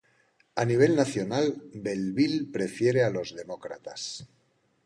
A nivel nacional, Belleville prefiere a los demócratas.